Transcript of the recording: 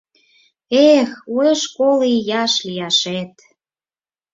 Эх, уэш коло ияш лияшет!..